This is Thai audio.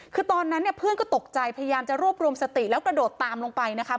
คือตอนนั้นเนี่ยเพื่อนก็ตกใจพยายามจะรวบรวมสติแล้วกระโดดตามลงไปนะคะ